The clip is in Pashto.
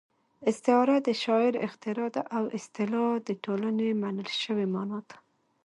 استعاره د شاعر اختراع ده او اصطلاح د ټولنې منل شوې مانا ده